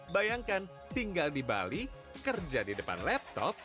bayangkan tinggal di bali kerja di depan laptop